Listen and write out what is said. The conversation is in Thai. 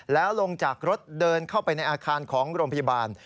แล้วลงจากรถเดินเข้าไปในอาคารของโรงพยาบาล